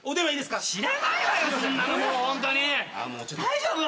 大丈夫？